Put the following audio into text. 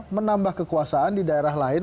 menambah kekuasaan di daerah lain